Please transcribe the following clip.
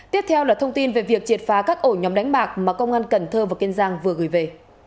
tiếp theo là thông tin về việc triệt phá các ổ nhóm đánh bạc mà công an cần thơ và kiên giang vừa gửi về